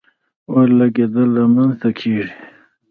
اور لګېدل را منځ ته کیږي.